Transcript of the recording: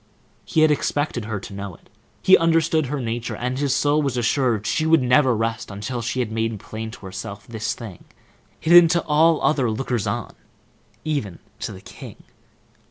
He had expected her to know it. He understood her nature, and his soul was assured that she would never rest until she had made plain to herself this thing, hidden to all other lookers on, even to the king.